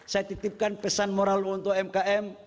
saya titipkan pesan moral untuk umkm